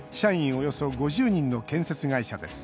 およそ５０人の建設会社です。